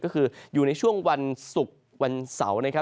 ก็คืออยู่ในช่วงวันศุกร์วันเสาร์นะครับ